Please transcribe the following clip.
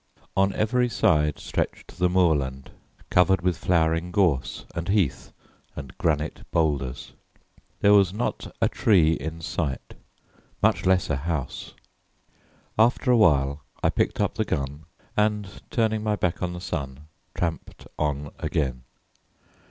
On every side stretched the moorland, covered with flowering gorse and heath and granite boulders. There was not a tree in sight, much less a house. After a while, I picked up the gun, and turning my back on the sun tramped on again.